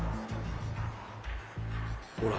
ほら